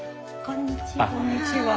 こんにちは。